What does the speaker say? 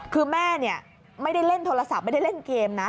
คือแม่ไม่ได้เล่นโทรศัพท์ไม่ได้เล่นเกมนะ